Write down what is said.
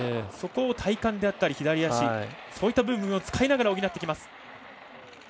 そこを体幹であったり左足そういった部分を使いながら補っていきます。